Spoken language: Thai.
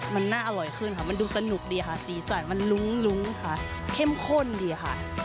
มันน่าอร่อยขึ้นค่ะมันดูสนุกดีค่ะสีสันมันลุ้งลุ้งค่ะเข้มข้นดีค่ะ